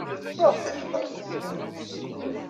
Maɣef ay ḥeqren medden?